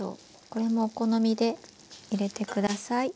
これもお好みで入れて下さい。